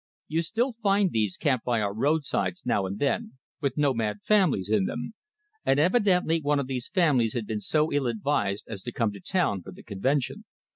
You still find these camped by our roadsides now and then, with nomad families in them; and evidently one of these families had been so ill advised as to come to town for the convention.